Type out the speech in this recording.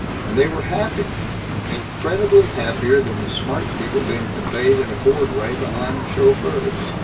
And they were happy incredibly happier than the smart people being conveyed in a bored way behind chauffeurs.